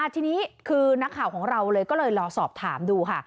ทีนี้คือนักข่าวของเราเลยก็เลยรอสอบถามดูค่ะ